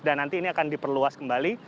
dan nanti ini akan diperluas kembali